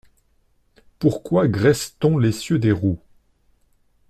Pourquoi graisse-t-on l’essieu des roues?